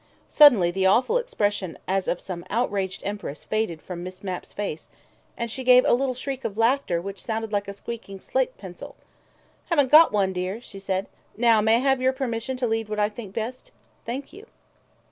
Suddenly the awful expression as of some outraged empress faded from Miss Mapp's face, and she gave a little shriek of laughter which sounded like a squeaking slate pencil. "Haven't got one, dear," she said. "Now may I have your permission to lead what I think best? Thank you."